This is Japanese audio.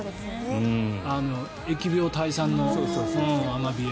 疫病退散のアマビエ。